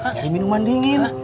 nyari minuman dingin